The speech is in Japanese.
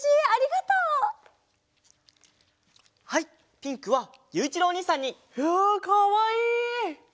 ピンクはゆういちろうおにいさんに！わあかわいい！